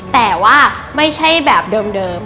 แต่ว่าไม่ใช่แบบเดิม